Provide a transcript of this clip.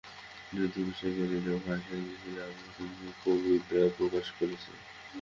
তিনি যুদ্ধের বিষয়ে গ্যালিক ভাষায় আরও তিনটি কবিতা প্রকাশ করেছিলেন।